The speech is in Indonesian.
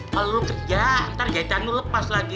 kalau lo kerja ntar gajah lo lepas lagi